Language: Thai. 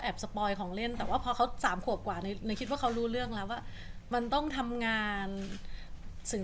คุณต้องมีของอะไรคุณจะเท่าไหร่เปียกทั้งทิ้ง